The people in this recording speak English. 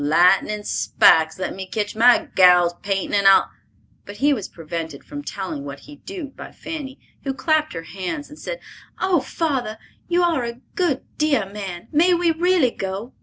Lightnin' spikes! Let me catch my gals paintin' and I'll—" But he was prevented from telling what he'd do by Fanny, who clapped her hands and said, "Oh, father, you are a dear good man; may we really go?"